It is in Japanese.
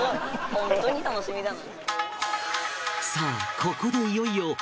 ホントに楽しみだな。